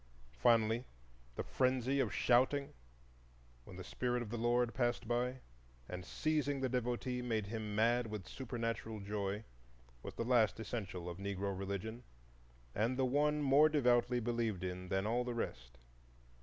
Finally the Frenzy of "Shouting," when the Spirit of the Lord passed by, and, seizing the devotee, made him mad with supernatural joy, was the last essential of Negro religion and the one more devoutly believed in than all the rest.